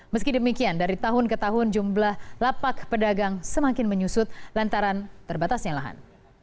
meski demikian dari tahun ke tahun jumlah lapak pedagang semakin menyusut lantaran terbatasnya lahan